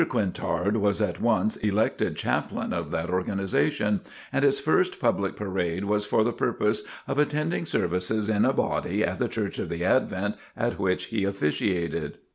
Quintard was at once elected Chaplain of that organization, and its first public parade was for the purpose of attending services in a body at the Church of the Advent at which he officiated.